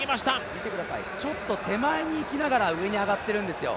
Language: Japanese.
見てください、ちょっと手前にいきながら上にいってるんですよ。